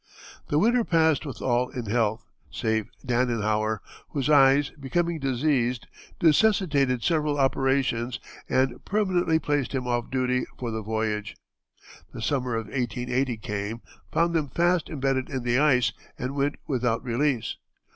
The winter passed with all in health save Danenhower, whose eyes becoming diseased necessitated several operations and permanently placed him off duty for the voyage. The summer of 1880 came, found them fast embedded in the ice, and went without release.